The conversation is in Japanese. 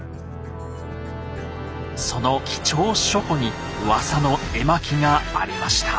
その貴重書庫にうわさの絵巻がありました。